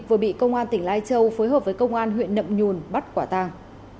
vừa bị công an tỉnh lai châu phối hợp với công an huyện nậm nhùn bắt quả tàng